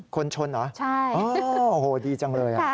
คนชนเหรอใช่โอ้โหดีจังเลย